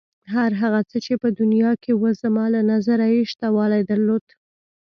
هر هغه څه چې په دنیا کې و زما له نظره یې شتوالی درلود.